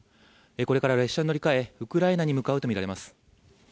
これから電車に乗り換え、ウクライナに向かうとみられます。